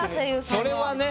それはね。